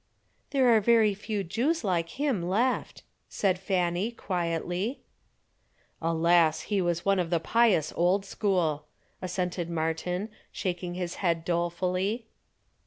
"There are very few Jews like him left," said Fanny quietly. "Alas, he was one of the pious old school," assented Martin, shaking his head dolefully.